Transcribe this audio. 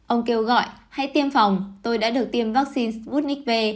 ông kêu gọi hay tiêm phòng tôi đã được tiêm vaccine sputnik v